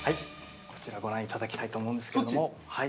◆こちら、ご覧いただきたいと思うんですけれども。